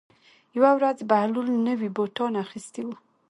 یوه ورځ بهلول نوي بوټان اخیستي وو.